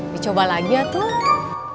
dicoba lagi ya tuh